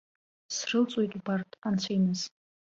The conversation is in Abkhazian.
Срылҵуеит убарҭ, анцәа иныс!